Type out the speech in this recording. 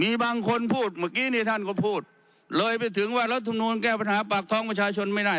มีบางคนพูดเมื่อกี้นี่ท่านก็พูดเลยไปถึงว่ารัฐมนูลแก้ปัญหาปากท้องประชาชนไม่ได้